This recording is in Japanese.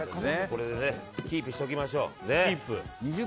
これでキープしておきましょう。